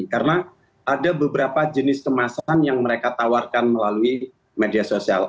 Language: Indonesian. karena ada beberapa jenis kemasan yang mereka tawarkan melalui media sosial